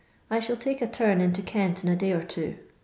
I shall take a torn into Kent in a day or two.